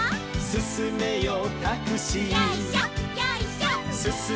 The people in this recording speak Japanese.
「すすめよタクシー」